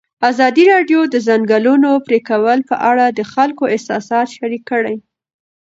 ازادي راډیو د د ځنګلونو پرېکول په اړه د خلکو احساسات شریک کړي.